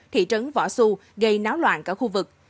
thị trấn võ xu gây náo loạn cả khu vực